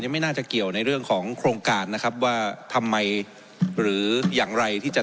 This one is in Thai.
ไม่น่าจะเกี่ยวในเรื่องของโครงการนะครับว่าทำไมหรืออย่างไรที่จะ